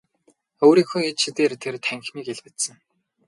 Өөрийнхөө ид шидээр тэр танхимыг илбэдсэн.